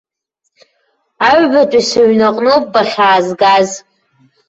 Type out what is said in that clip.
Аҩбатәи сыҩны аҟноуп бахьаазгаз.